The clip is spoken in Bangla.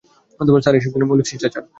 স্যার, এসব ছিল মৌলিক শিষ্টাচার।